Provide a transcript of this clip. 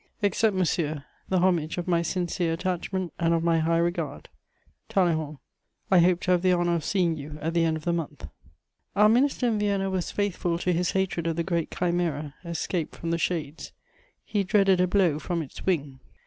"Accept, monsieur, the homage of my sincere attachment and of my high regard. "TALLEYRAND. "I hope to have the honour of seeing you at the end of the month." Our Minister in Vienna was faithful to his hatred of the great chimera escaped from the shades: he dreaded a blow from its wing.